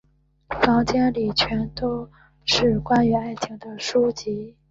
房间里全部都是关于爱情的书籍。